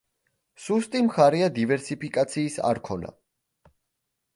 სუსტი მხარეა დივერსიფიკაციის არ ქონა.